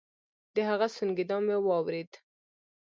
د هغه سونګېدا مې واورېد.